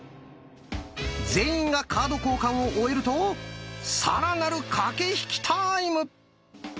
全員がカード交換を終えると更なる駆け引きタイム！